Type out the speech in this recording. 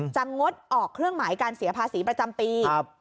งดออกเครื่องหมายการเสียภาษีประจำปี